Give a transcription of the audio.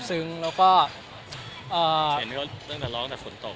เน้นเค้าเริ่มเล่นตั้งแต่ฝนตก